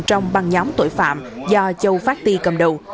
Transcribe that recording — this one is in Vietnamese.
trong băng nhóm tội phạm do châu phát ti cầm đầu